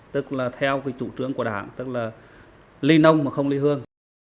tức là theo cái chủ trương của đảng tức là ly nông mà không ly hôn